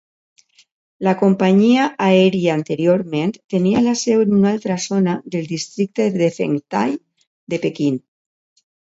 La companyia aèria anteriorment tenia la seu en una altra zona del districte de Fengtai de Pequín.